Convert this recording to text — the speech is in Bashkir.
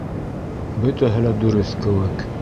Бөтәһе лә дөрөҫ кеүек.